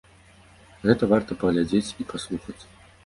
Гэта варта паглядзець і паслухаць.